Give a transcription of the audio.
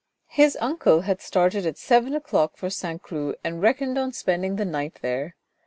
His uncle had started at seven o'clock for St. Cloud and reckoned on spending the night there.